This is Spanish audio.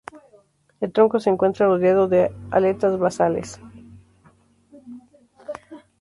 El tronco se encuentra rodeado de aletas basales.